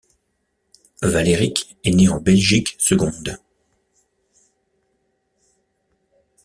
Valéric est né en Belgique seconde.